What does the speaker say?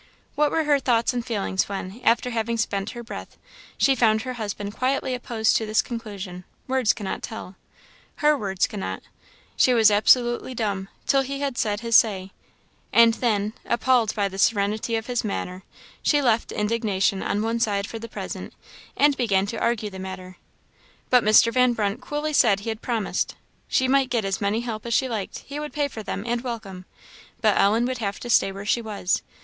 What were her thoughts and feelings, when, after having spent her breath, she found her husband quietly opposed to this conclusion, words cannot tell. Her words could not; she was absolutely dumb, till he had said his say; and then, appalled by the serenity of his manner, she left indignation on one side for the present, and began to argue the matter. But Mr. Van Brunt coolly said he had promised: she might get as many help as she liked he would pay for them, and welcome; but Ellen would have to stay where she was.